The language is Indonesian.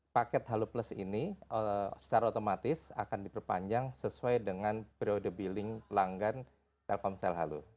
paket halo plus ini secara otomatis akan diperpanjang sesuai dengan periode billing pelanggan telkomsel halo